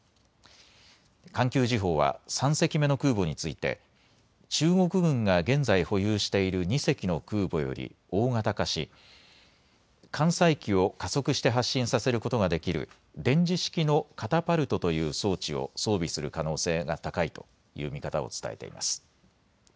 環球時報は３隻目の空母について中国軍が現在、保有している２隻の空母より大型化し艦載機を加速して発進させることができる電磁式のカタパルトという装置を装備する可能性が高いという見方を伝えています。